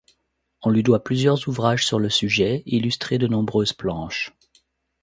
On lui doit plusieurs ouvrages sur le sujet, illustrés de nombreuses planches.